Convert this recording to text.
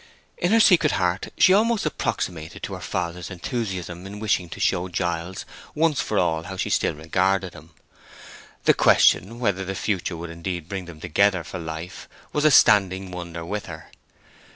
In her secret heart she almost approximated to her father's enthusiasm in wishing to show Giles once for all how she still regarded him. The question whether the future would indeed bring them together for life was a standing wonder with her.